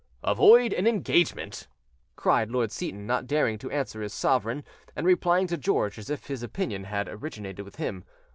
"Avoid an engagement!" cried Lord Seyton, not daring to answer his sovereign, and replying to George as if this opinion had originated with him.